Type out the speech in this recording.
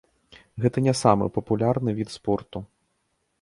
Гэта не самы папулярны від спорту.